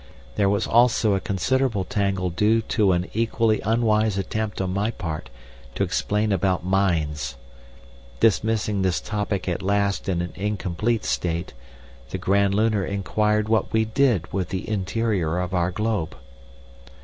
There was also a considerable tangle due to an equally unwise attempt on my part to explain about mines. Dismissing this topic at last in an incomplete state, the Grand Lunar inquired what we did with the interior of our globe.